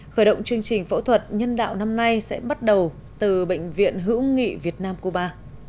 khởi động chương trình phẫu thuật nhân đạo năm nay sẽ bắt đầu từ bệnh viện hữu nghị việt nam cuba